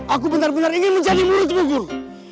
aku benar benar ingin menjadi muridmu guru